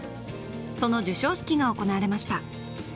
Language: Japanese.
その授賞式が行われました。